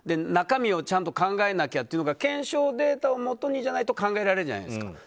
中身をちゃんと考えなきゃっていうのが検証データをもとにじゃないと考えられないじゃないですか。